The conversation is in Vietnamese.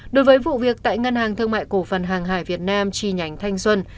đối với vụ việc tại ngân hàng thương mại cổ phần hàng hải việt nam chi nhánh thanh xuân